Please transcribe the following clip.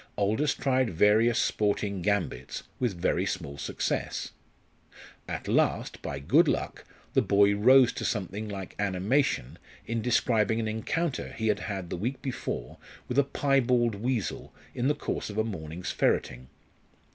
Aldous tried various sporting "gambits" with very small success. At last, by good luck, the boy rose to something like animation in describing an encounter he had had the week before with a piebald weasel in the course of a morning's ferreting.